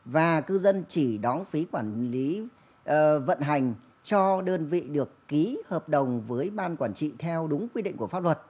và cư dân chỉ đóng phí quản lý vận hành cho đơn vị được ký hợp đồng với ban quản trị theo đúng quy định của pháp luật